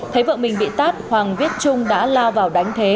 thế vợ mình bị tắt hoàng viết trung đã lao vào đánh thế